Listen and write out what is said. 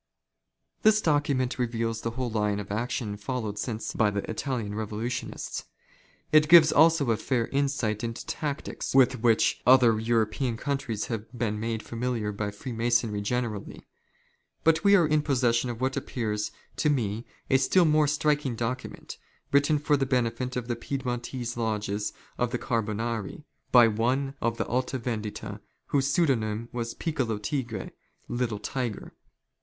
This document reveals the whole line of action followed since by the Italian Revolutionists. It gives also a fair insight into tactics with which other European countries have been made familiar by Freemasonry generally. But we are in posses sion of what appears to me a still more striking document, written for the benefit of the Piedmontese lodges of Carbonari, by one of the Alta Vendita, whose pseudonym was Piccolo Tigre — Little Tiger.